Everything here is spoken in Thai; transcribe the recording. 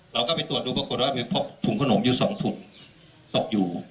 เราก็ไปตรวจดูปรากฏว่ามีพบถุงขนมอยู่๒ถุงตกอยู่